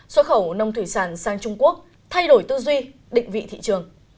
xuất khẩu nông thủy sản sang trung quốc thay đổi tư duy định vị thị trường